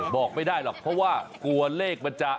บอกไม่ได้หรอกเพราะว่ากลัวเลขมันจะ